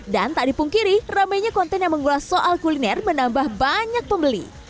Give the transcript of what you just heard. dan tak dipungkiri rame nya konten yang menggulas soal kuliner menambah banyak pembeli